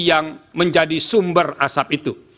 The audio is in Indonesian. yang menjadi sumber asap itu